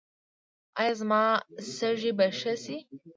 ایا زما سږي به ښه شي؟